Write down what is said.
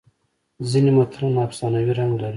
ځینې متلونه افسانوي رنګ لري